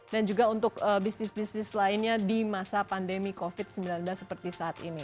dan juga untuk bisnis bisnis lainnya di masa pandemi covid sembilan belas seperti saat ini